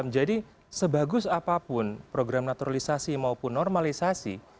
jadi sebagus apapun program naturalisasi maupun normalisasi